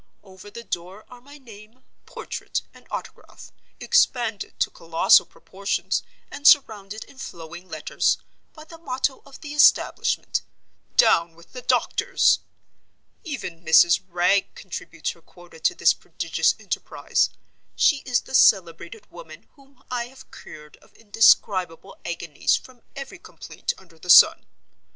Over the door are my name, portrait, and autograph, expanded to colossal proportions, and surrounded in flowing letters, by the motto of the establishment, 'Down with the Doctors!' Even Mrs. Wragge contributes her quota to this prodigious enterprise. She is the celebrated woman whom I have cured of indescribable agonies from every complaint under the sun.